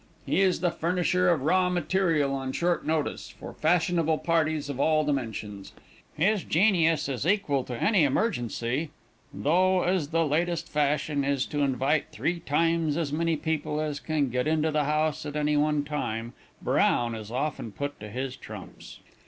He is the furnisher of raw material on short notice, for fashionable parties of all dimensions; his genius is equal to any emergency, though, as the latest fashion is to invite three times as many people as can get into the house at any one time, Brown is often put to his trumps.